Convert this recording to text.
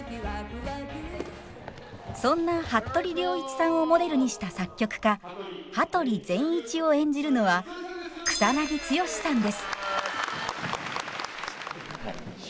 そんな服部良一さんをモデルにした作曲家羽鳥善一を演じるのは草剛さんです。